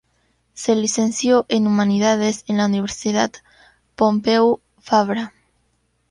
Se licenció en Humanidades en la Universidad Pompeu Fabra.